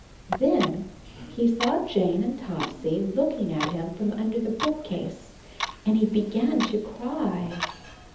12 CHARLIE Then he saw Jane and Topsy looking at him from under the bookcase, and he began to cry.